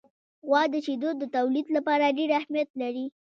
غوا د شیدو د تولید لپاره ډېر اهمیت لري.